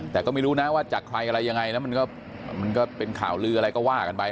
แต่ก็ไม่รู้นะว่าจากใครอะไรยังไงนะมันก็เป็นข่าวลืออะไรก็ว่ากันไป